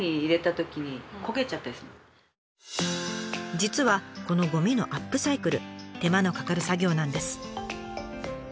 実はこのゴミのアップサイクル手間のかかる作業なんです。